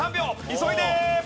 急いで！